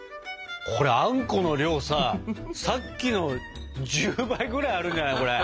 これあんこの量ささっきの１０倍ぐらいあるんじゃないこれ。